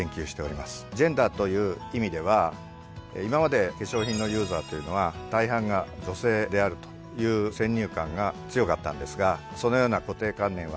ジェンダーという意味では今まで化粧品のユーザーというのは大半が女性であるという先入観が強かったんですがそのような固定観念は払拭してですね